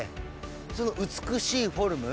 その美しいフォルム。